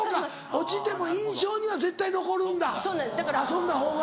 落ちても印象には絶対残るんだ遊んだほうが。